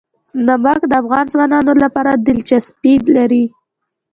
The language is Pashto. نمک د افغان ځوانانو لپاره دلچسپي لري.